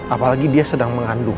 apalagi dia sedang mengandung